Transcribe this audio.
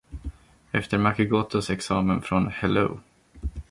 Efter Maki Gotos examen från Hello!